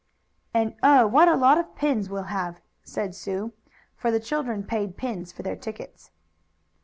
"And oh! what a lot of pins we'll have," said Sue, for all the children paid pins for their tickets.